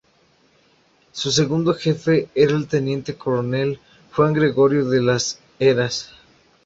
Su segundo jefe era el teniente coronel Juan Gregorio de Las Heras.